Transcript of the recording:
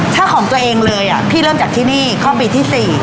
ถ้าของตัวเองเลยพี่เริ่มจากที่นี่ข้อปีที่๔